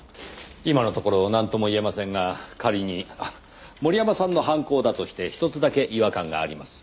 今のところなんとも言えませんが仮に森山さんの犯行だとして一つだけ違和感があります。